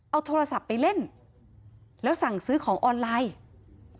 เอาโทรศัพท์ไปเล่นแล้วสั่งซื้อของออนไลน์